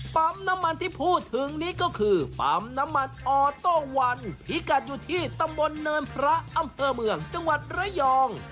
ปั๊มน้ำมันที่พูดถึงนี้ก็คือปั๊มน้ำมันออโต้วันที่กัดอยู่ที่ตำบลเนินพระอำเภอเมืองจังหวัดระยอง